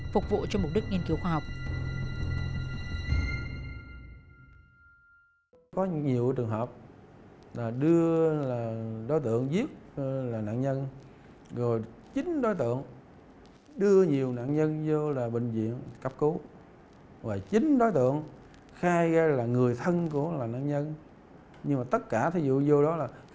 phục vụ cho mục đích nghiên cứu khoa học